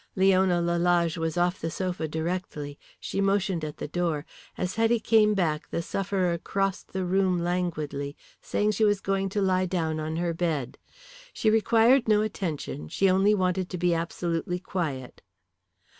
Leona Lalage was off the sofa directly. She motioned to the door. As Hetty came back the sufferer crossed the room languidly, saying she was going to lie down on her bed. She required no attention, she only wanted to be absolutely quiet.